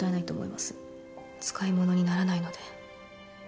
使い物にならないので。